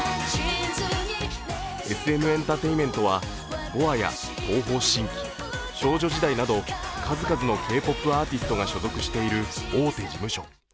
ＳＭエンタテインメントはＢｏＡや東方神起、少女時代など、数々のＫ−ＰＯＰアーティストが所属している大手事務所。